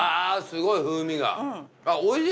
すごい風味が。